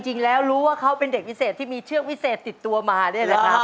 จริงแล้วรู้ว่าเขาเป็นเด็กพิเศษที่มีเชือกวิเศษติดตัวมานี่แหละครับ